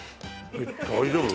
大丈夫？